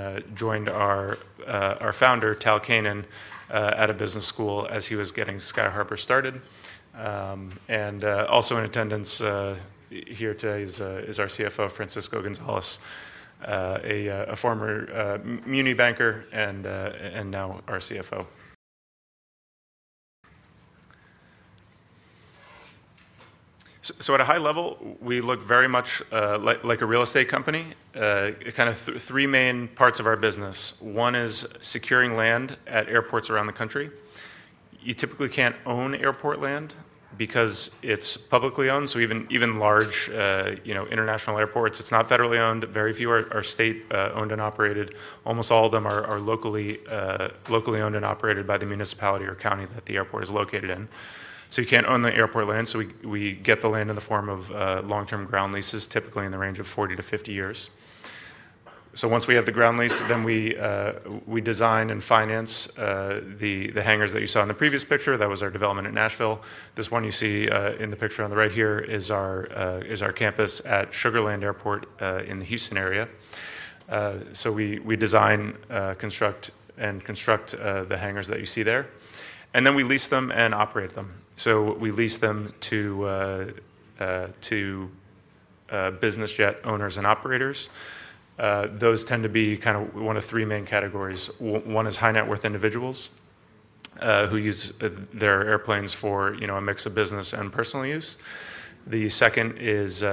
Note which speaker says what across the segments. Speaker 1: I joined our founder, Tal Keinan, at a business school as he was getting Sky Harbour started. Also in attendance here today is our CFO, Francisco Gonzalez, a former muni banker and now our CFO. At a high level, we look very much like a real estate company. There are three main parts of our business. One is securing land at airports around the country. You typically cannot own airport land because it is publicly owned. Even large, international airports, it is not federally owned. Very few are state owned and operated. Almost all of them are locally owned and operated by the municipality or county that the airport is located in. You cannot own the airport land. We get the land in the form of long-term ground leases, typically in the range of 40-50 years. Once we have the ground lease, we design and finance the hangars that you saw in the previous picture. That was our development at Nashville. This one you see in the picture on the right here is our campus at Sugar Land Regional Airport in the Houston area. We design, construct and construct the hangars that you see there. We lease them and operate them. We lease them to business jet owners and operators. Those tend to be kind of one of three main categories. One is high-net-worth individuals, who use their airplanes for, a mix of business and personal use. The second is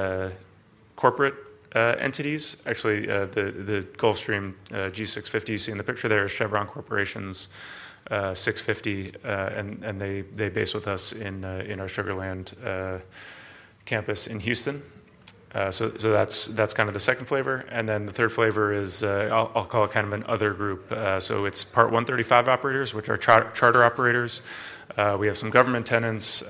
Speaker 1: corporate entities. Actually, the Gulfstream G650 you see in the picture there is Chevron Corporation's 650, and they base with us in our Sugar Land campus in Houston. That's kind of the second flavor. The third flavor is, I'll call it kind of an other group. It's Part 135 operators, which are charter operators. We have some government tenants,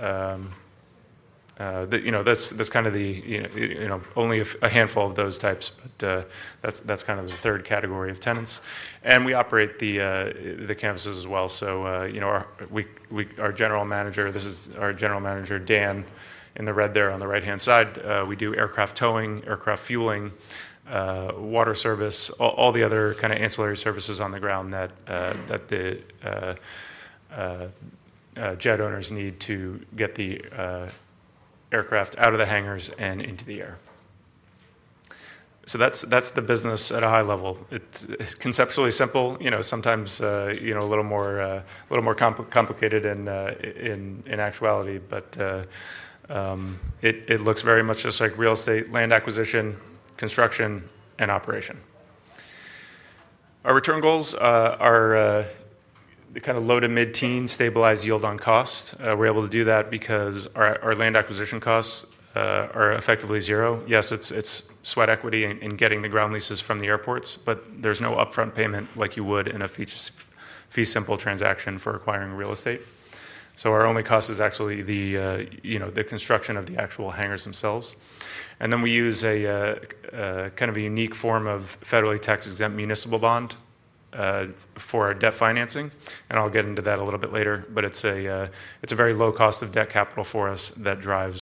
Speaker 1: that, you know, that's kind of the, you know, only a handful of those types. That's kind of the third category of tenants. We operate the campuses as well. You know, our general manager, this is our general manager, Dan, in the red there on the right-hand side. We do aircraft towing, aircraft fueling, water service, all the other kind of ancillary services on the ground that, that the jet owners need to get the aircraft out of the hangars and into the air. That's the business at a high level. It's conceptually simple. You know, sometimes, you know, a little more, a little more complicated in actuality. It looks very much just like real estate, land acquisition, construction, and operation. Our return goals are the kind of low to mid-teen, stabilized yield on cost. We're able to do that because our land acquisition costs are effectively zero. Yes, it's sweat equity in getting the ground leases from the airports, but there's no upfront payment like you would in a fee simple transaction for acquiring real estate. Our only cost is actually the, you know, the construction of the actual hangars themselves. And then we use a, kind of a unique form of federally tax-exempt municipal bond, for our debt financing. I'll get into that a little bit later. It's a very low cost of debt capital for us that drives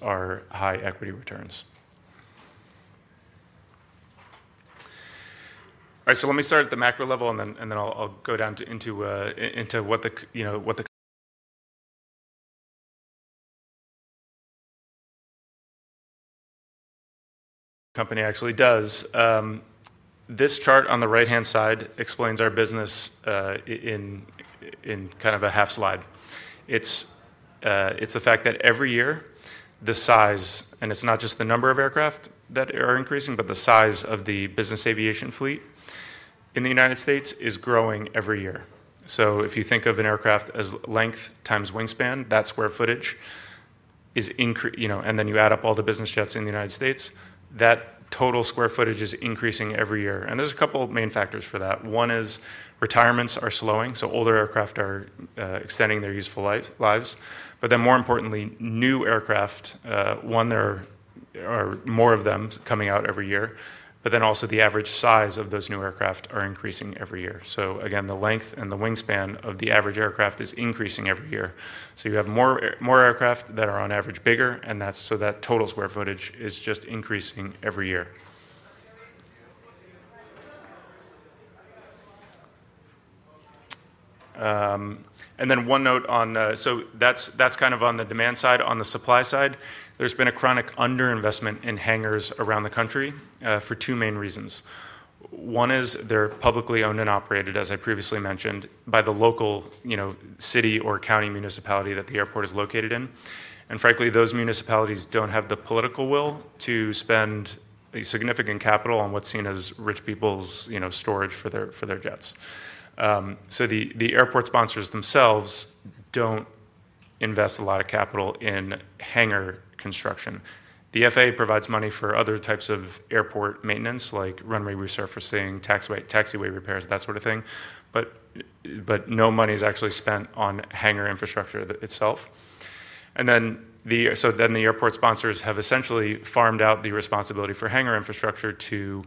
Speaker 1: our high equity returns. All right. Let me start at the macro level and then I'll go down into what the, what the company actually does. This chart on the right-hand side explains our business, in kind of a half slide. It's the fact that every year the size, and it's not just the number of aircraft that are increasing, but the size of the business aviation fleet in the United States is growing every year. If you think of an aircraft as length times wingspan, that square footage is, you know, and then you add up all the business jets in the United States, that total square footage is increasing every year. There are a couple main factors for that. One is retirements are slowing. Older aircraft are extending their useful lives. More importantly, new aircraft, one, there are more of them coming out every year. Also, the average size of those new aircraft is increasing every year. The length and the wingspan of the average aircraft is increasing every year. You have more aircraft that are on average bigger, and that total square footage is just increasing every year. One note on, so that is kind of on the demand side. On the supply side, there's been a chronic underinvestment in hangars around the country, for two main reasons. One is they're publicly owned and operated, as I previously mentioned, by the local, you know, city or county municipality that the airport is located in. And frankly, those municipalities don't have the political will to spend significant capital on what's seen as rich people's, storage for their, for their jets. The airport sponsors themselves don't invest a lot of capital in hangar construction. The FAA provides money for other types of airport maintenance like runway resurfacing, taxiway, taxiway repairs, that sort of thing. But no money's actually spent on hangar infrastructure itself. The airport sponsors have essentially farmed out the responsibility for hangar infrastructure to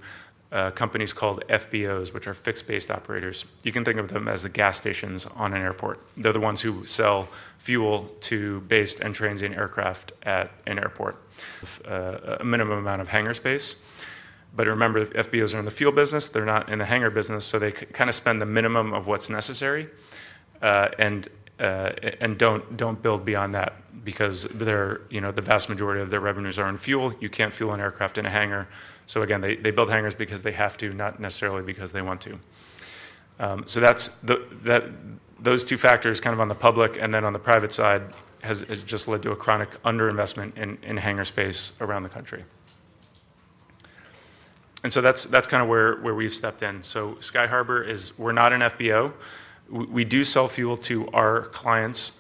Speaker 1: companies called FBOs, which are fixed-base operators. You can think of them as the gas stations on an airport. They're the ones who sell fuel to based and transient aircraft at an airport. Of a minimum amount of hangar space. But remember, FBOs are in the fuel business. They're not in the hangar business. So they kind of spend the minimum of what's necessary, and don't, don't build beyond that because they're, you know, the vast majority of their revenues are in fuel. You can't fuel an aircraft in a hangar. Again, they build hangars because they have to, not necessarily because they want to. That, those two factors kind of on the public and then on the private side has just led to a chronic underinvestment in hangar space around the country. That's kind of where we've stepped in. Sky Harbour is, we're not an FBO. We do sell fuel to our clients,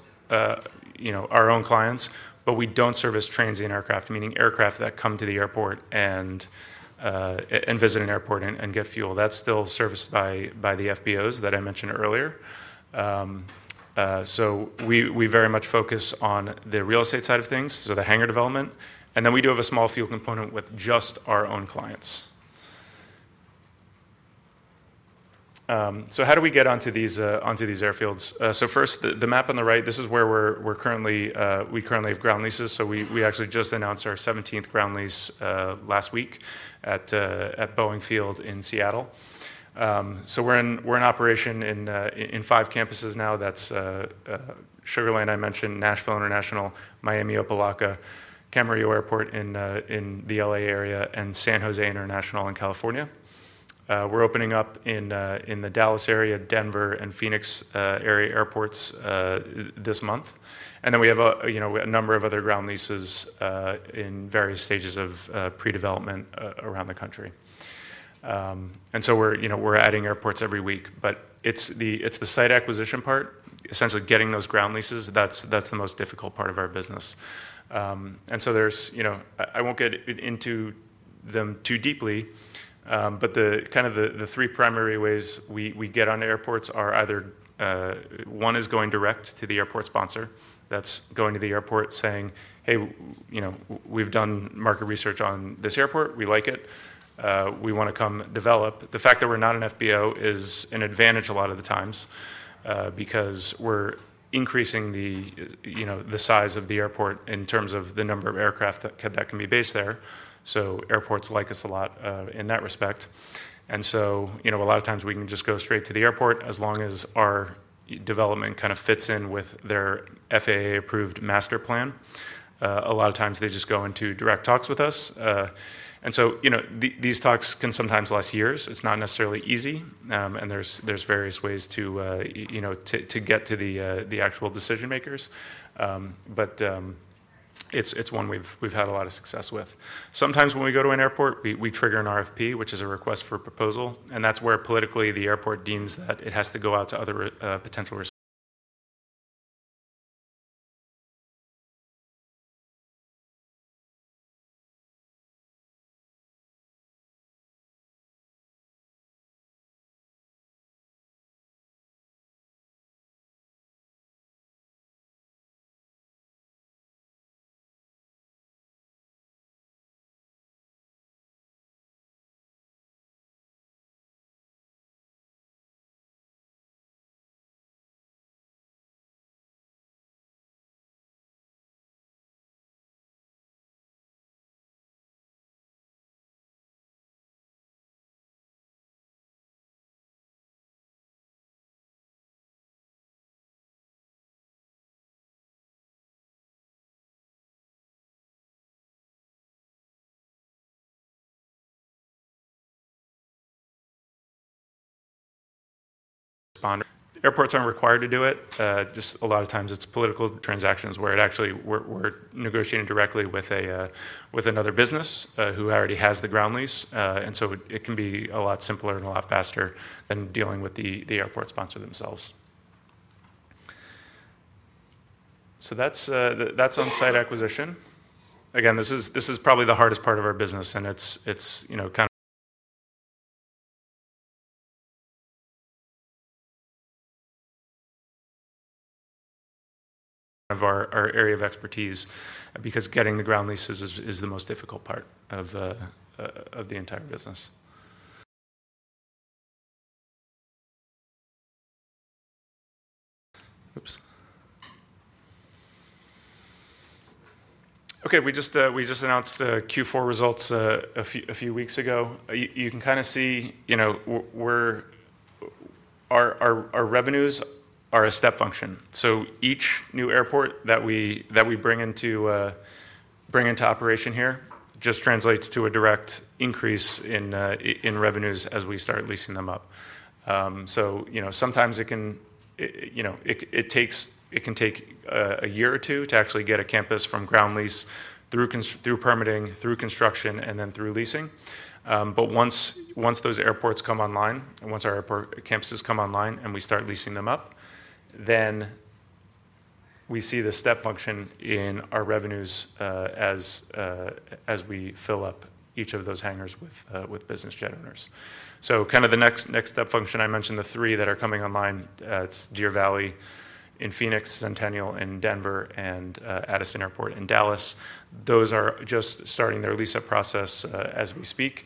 Speaker 1: you know, our own clients, but we don't service transient aircraft, meaning aircraft that come to the airport and visit an airport and get fuel. That's still serviced by the FBOs that I mentioned earlier. We very much focus on the real estate side of things, so the hangar development. And then we do have a small fuel component with just our own clients. How do we get onto these airfields? First, the map on the right, this is where we currently have ground leases. We actually just announced our 17th ground lease last week at Boeing Field in Seattle. We're in operation in five campuses now. That's Sugar Land I mentioned, Nashville International, Miami-Opa Locka, Camarillo Airport in the LA area, and San Jose International in California. We're opening up in the Dallas area, Denver, and Phoenix area airports this month. Then we have a number of other ground leases in various stages of pre-development around the country. We're adding airports every week. It's the site acquisition part, essentially getting those ground leases. That's the most difficult part of our business. There's, you know, I won't get into them too deeply, but the kind of the three primary ways we get on airports are either, one is going direct to the airport sponsor, that's going to the airport saying, "Hey, you know, we've done market research on this airport. We like it. We wanna come develop." The fact that we're not an FBO is an advantage a lot of the times, because we're increasing the, you know, the size of the airport in terms of the number of aircraft that can be based there. Airports like us a lot, in that respect. You know, a lot of times we can just go straight to the airport as long as our development kind of fits in with their FAA-approved master plan. A lot of times they just go into direct talks with us. You know, these talks can sometimes last years. It's not necessarily easy. There's various ways to, you know, to get to the actual decision-makers. It's one we've had a lot of success with. Sometimes when we go to an airport, we trigger an RFP, which is a request for proposal. That is where politically the airport deems that it has to go out to other potential. Airports are not required to do it, just a lot of times it is political. Transactions where actually, we are negotiating directly with another business, who already has the ground lease, and so it can be a lot simpler and a lot faster than dealing with the airport sponsor themselves. That is on site acquisition. Again, this is probably the hardest part of our business. It is, you know, kind of our area of expertise because getting the ground leases is the most difficult part of the entire business. Oops. Okay. We just announced Q4 results a few weeks ago. You can kind of see, where our revenues are a step function. Each new airport that we bring into operation here just translates to a direct increase in revenues as we start leasing them up. Sometimes it can, you know, it takes, it can take a year or two to actually get a campus from ground lease through permitting, through construction, and then through leasing. Once those airports come online and once our airport campuses come online and we start leasing them up, then we see the step function in our revenues, as we fill up each of those hangars with business jet owners. The next step function I mentioned, the three that are coming online, it's Deer Valley in Phoenix, Centennial in Denver, and Addison Airport in Dallas. Those are just starting their lease-up process, as we speak.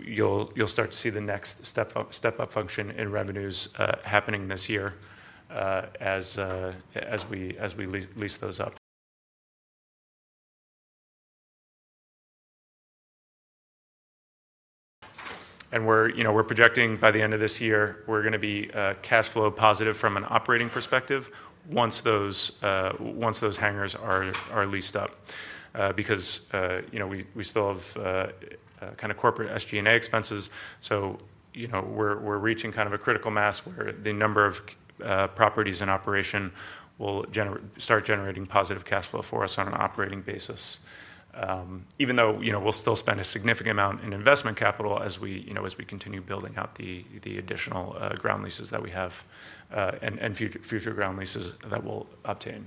Speaker 1: You'll start to see the next step-up function in revenues, happening this year, as we lease those up. We're projecting by the end of this year, we're gonna be cash flow positive from an operating perspective once those hangars are leased up, because, you know, we still have kind of corporate SG&A expenses. We're reaching kind of a critical mass where the number of properties in operation will start generating positive cash flow for us on an operating basis. Even though, we'll still spend a significant amount in investment capital as we, as we continue building out the additional ground leases that we have, and future ground leases that we'll obtain.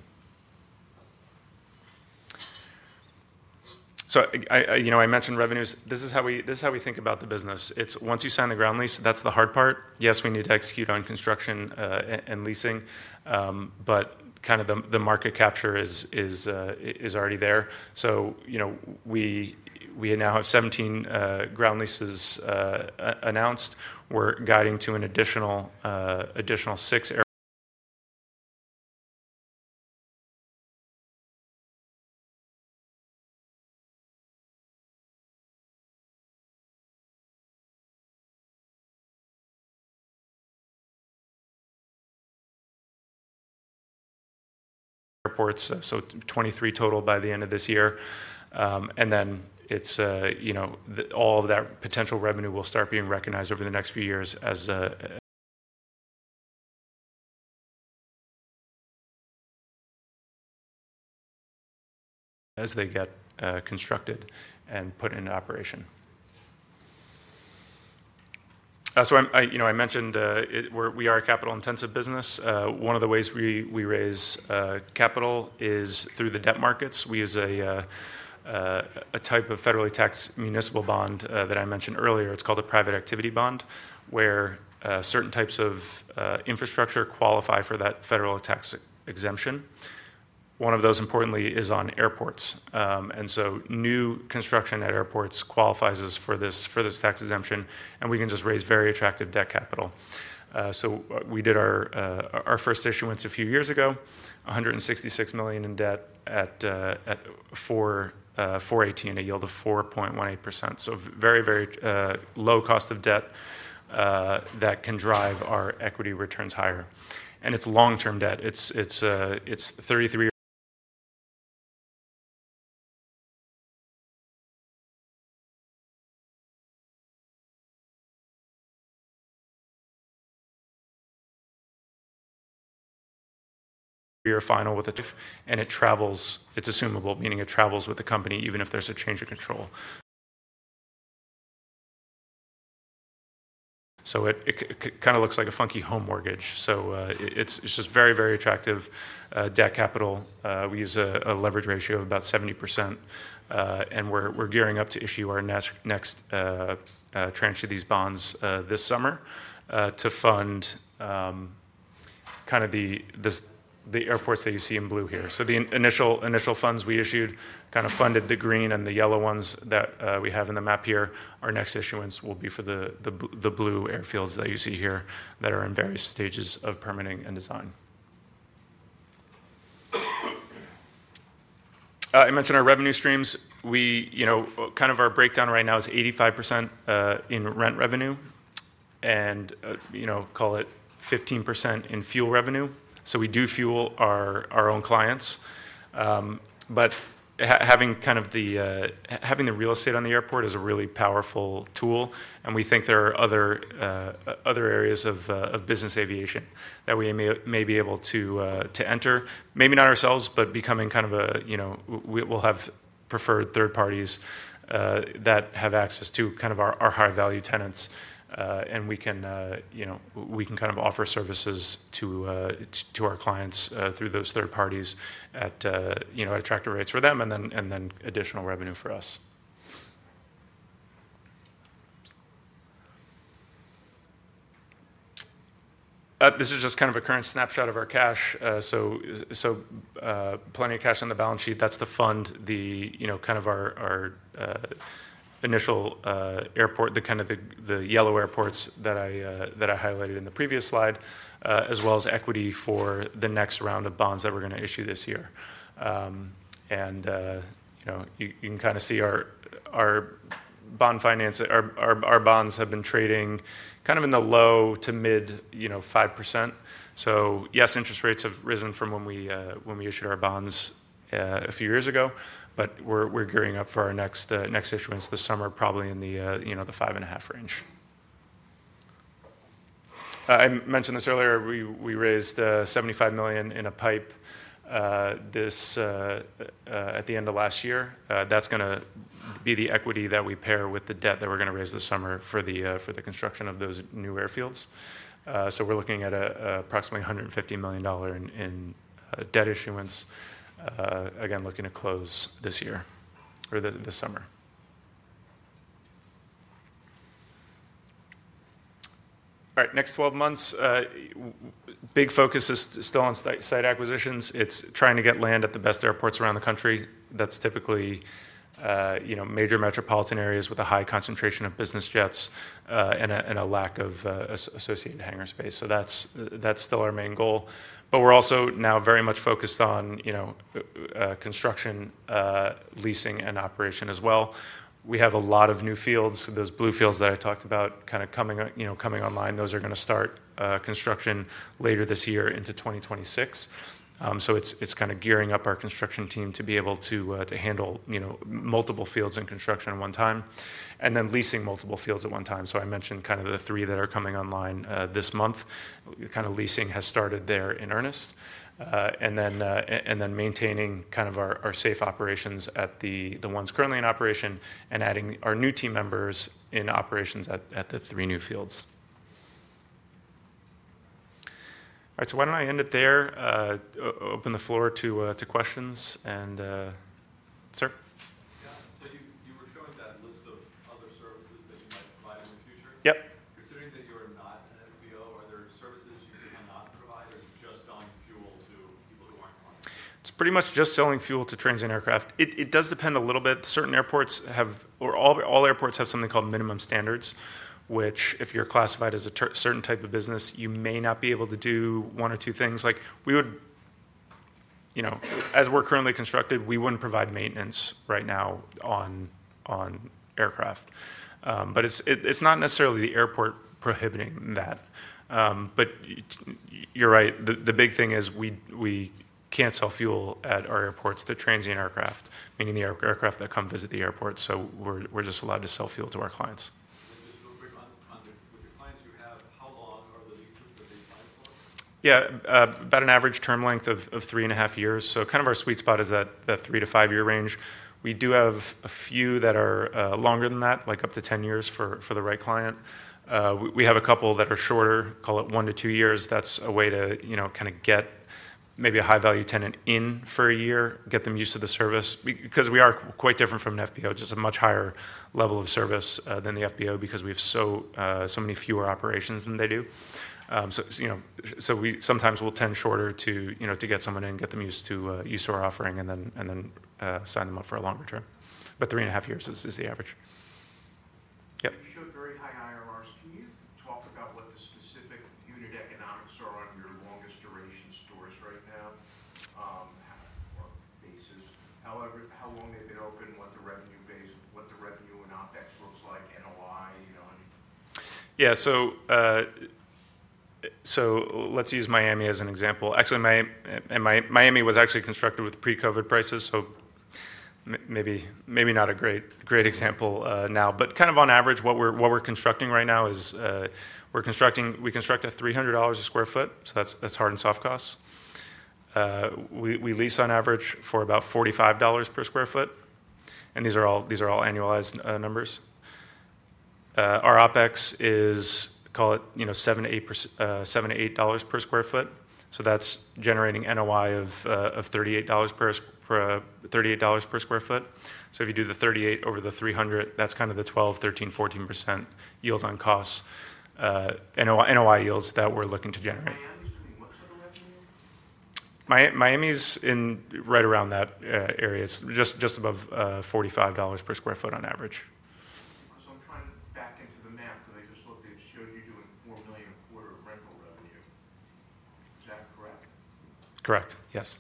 Speaker 1: I mentioned revenues. This is how we, this is how we think about the business. It's once you sign the ground lease, that's the hard part. Yes, we need to execute on construction and leasing, but kind of the market capture is already there. We now have 17 ground leases announced. We're guiding to an additional six airports, so 23 total by the end of this year. All of that potential revenue will start being recognized over the next few years as they get constructed and put into operation. I mentioned, we're, we are a capital-intensive business. One of the ways we, we raise capital is through the debt markets. We use a, a type of federally taxed municipal bond, that I mentioned earlier. It's called a private activity bond where certain types of infrastructure qualify for that federal tax exemption. One of those, importantly, is on airports. New construction at airports qualifies us for this, for this tax exemption, and we can just raise very attractive debt capital. We did our, our first issuance a few years ago, $166 million in debt at 4.18%, a yield of 4.18%. Very, very low cost of debt, that can drive our equity returns higher. It's long-term debt. It's 33. Year final with a, and it travels, it's assumable, meaning it travels with the company even if there's a change of control. It kind of looks like a funky home mortgage. It's just very, very attractive, debt capital. We use a leverage ratio of about 70%. We're gearing up to issue our next tranche of these bonds this summer to fund kind of the airports that you see in blue here. The initial funds we issued kind of funded the green and the yellow ones that we have in the map here. Our next issuance will be for the blue airfields that you see here that are in various stages of permitting and design. I mentioned our revenue streams. We, kind of our breakdown right now is 85% in rent revenue and, you know, call it 15% in fuel revenue. We do fuel our own clients. Having the real estate on the airport is a really powerful tool. We think there are other areas of business aviation that we may be able to enter. Maybe not ourselves, but becoming kind of a, you know, we'll have preferred third parties that have access to our high-value tenants. We can, you know, we can kind of offer services to our clients through those third parties at attractive rates for them and then additional revenue for us. This is just kind of a current snapshot of our cash. Plenty of cash on the balance sheet. That's the fund, you know, kind of our initial airport, the kind of the yellow airports that I highlighted in the previous slide, as well as equity for the next round of bonds that we're gonna issue this year. You know, you can kind of see our bond finance, our bonds have been trading kind of in the low to mid 5%. Yes, interest rates have risen from when we issued our bonds a few years ago, but we're gearing up for our next issuance this summer, probably in the five and a half range. I mentioned this earlier. We raised $75 million in a PIPE at the end of last year. That's gonna be the equity that we pair with the debt that we're gonna raise this summer for the construction of those new airfields. We're looking at approximately $150 million in debt issuance, again, looking to close this year or the summer. All right. Next 12 months, big focus is still on site acquisitions. It's trying to get land at the best airports around the country. That's typically, you know, major metropolitan areas with a high concentration of business jets, and a lack of associated hangar space. That's still our main goal. We're also now very much focused on, you know, construction, leasing and operation as well. We have a lot of new fields. Those blue fields that I talked about kind of coming on, you know, coming online, those are gonna start construction later this year into 2026. It's kind of gearing up our construction team to be able to handle, you know, multiple fields in construction at one time and then leasing multiple fields at one time. I mentioned kind of the three that are coming online this month. Leasing has started there in earnest, and then maintaining kind of our safe operations at the ones currently in operation and adding our new team members in operations at the three new fields. All right. Why don't I end it there, open the floor to questions, and, sir. Yeah. You were showing that list of other services that you might provide in the future. Yep. Considering that you are not an FBO, are there services you cannot provide or just selling fuel to people who are not clients? It is pretty much just selling fuel to transient aircraft. It does depend a little bit. Certain airports have, or all airports have something called minimum standards, which if you are classified as a certain type of business, you may not be able to do one or two things. Like we would, you know, as we are currently constructed, we would not provide maintenance right now on aircraft. It is not necessarily the airport prohibiting that. You are right. The big thing is we cannot sell fuel at our airports to transient aircraft, meaning the aircraft that come visit the airport. We are just allowed to sell fuel to our clients. Just real quick on, on the, with the clients you have, how long are the leases that they sign for? Yeah. About an average term length of, of three and a half years. Kind of our sweet spot is that, that three to five year range. We do have a few that are longer than that, like up to 10 years for, for the right client. We have a couple that are shorter, call it one to two years. That's a way to, you know, kind of get maybe a high-value tenant in for a year, get them used to the service. Because we are quite different from an FBO, just a much higher level of service than the FBO because we have so, so many fewer operations than they do. So, you know, we sometimes will tend shorter to, you know, to get someone in, get them used to, used to our offering and then, and then, sign them up for a longer term. But three and a half years is the average. Yep. You showed very high IRRs. Can you talk about what the specific unit economics are on your longest duration stores right now, or basis? However, how long they've been open, what the revenue base, what the revenue and OpEx looks like, NOI, you know? Yeah. So, let's use Miami as an example. Actually, Miami, and Miami was actually constructed with pre-COVID prices, so maybe, maybe not a great, great example, now. But kind of on average, what we're constructing right now is, we're constructing, we construct at $300 a sq ft. So that's hard and soft costs. We lease on average for about $45 per sq ft. These are all annualized numbers. Our OpEx is, call it, you know, $7-$8 per sq ft. That is generating NOI of $38 per sq ft. If you do the 38 over the 300, that is kind of the 12%-14% yield on cost, NOI yields that we are looking to generate. Miami is in right around that area. It is just above $45 per sq ft on average. I am trying to back into the map that I just looked at. It showed you doing $4 million a quarter of rental revenue. Is that correct? Correct. Yes.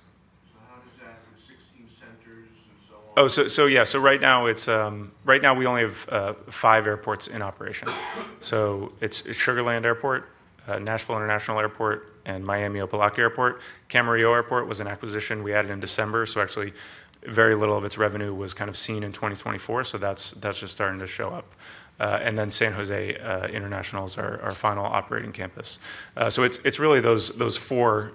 Speaker 1: How does that with 16 centers and so on? Right now we only have five airports in operation. It's Sugar Land Regional Airport, Nashville International Airport, and Miami-Opa Locka Executive Airport. Camarillo Airport was an acquisition we added in December. Actually, very little of its revenue was seen in 2024, so that's just starting to show up. San Jose International is our final operating campus. It's really those four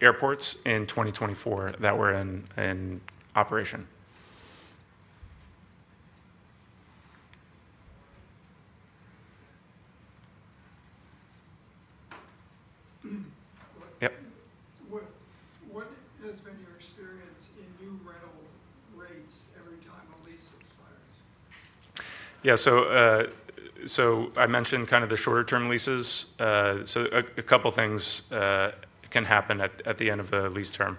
Speaker 1: airports in 2024 that we're in operation. Yep. What has been your experience in new rental rates every time a lease expires? Yeah. I mentioned the shorter-term leases. A couple things can happen at the end of a lease term.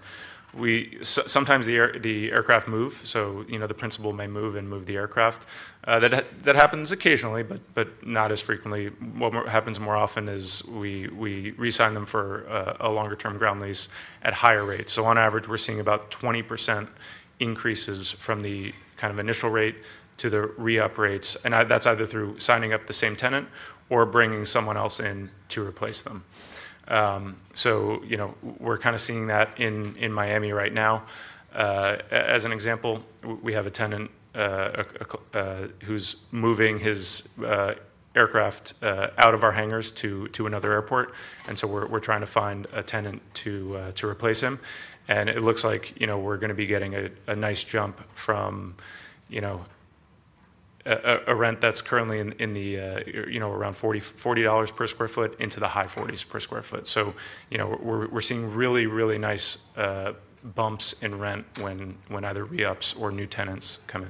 Speaker 1: Sometimes the aircraft move, so the principal may move and move the aircraft. That happens occasionally, but not as frequently. What happens more often is we resign them for a longer-term ground lease at higher rates. On average, we're seeing about 20% increases from the kind of initial rate to the re-up rates. That's either through signing up the same tenant or bringing someone else in to replace them. You know, we're kind of seeing that in Miami right now. As an example, we have a tenant who's moving his aircraft out of our hangars to another airport. We're trying to find a tenant to replace him. It looks like we're gonna be getting a nice jump from a rent that's currently in the, you know, around $40 per sq ft into the high $40s per sq ft. You know, we're seeing really, really nice bumps in rent when either re-ups or new tenants come in.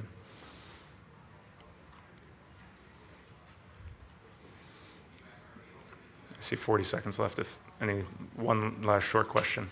Speaker 1: I see 40 seconds left if anyone has one last short question.